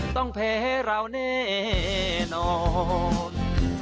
ต้องแพ้เราแน่นอน